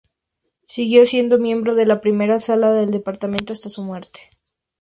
Siguió siendo miembro de la Primera Sala del parlamento hasta su muerte.